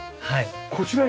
こちらに。